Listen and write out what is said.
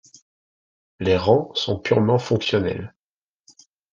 Les rangs sont purement fonctionnels.